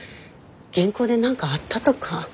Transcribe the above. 銀行で何かあったとか。